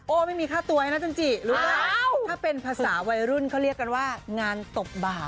ไม่มีค่าตัวให้นะจันจิรู้แล้วถ้าเป็นภาษาวัยรุ่นเขาเรียกกันว่างานตบบาป